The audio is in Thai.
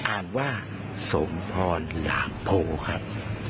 อ่านว่าสมพรหลามโพครับ